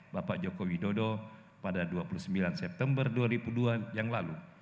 bapak joko widodo pada dua puluh sembilan september dua ribu dua yang lalu